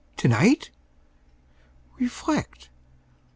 tonight? Reflect.